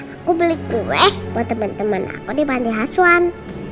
aku beli kue buat temen temen aku di panti asuhan